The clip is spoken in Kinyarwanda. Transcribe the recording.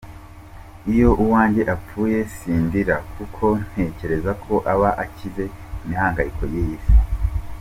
Iyo uwanjye apfuye sindira kuko ntekereza ko aba akizi imihangayiko y’iyi si.